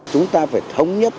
chúng ta phải thống nhất